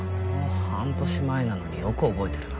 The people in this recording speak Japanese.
半年前なのによく覚えてるな。